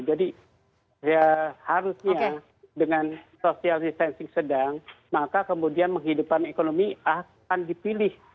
jadi harusnya dengan social distancing sedang maka kemudian menghidupkan ekonomi akan dipilih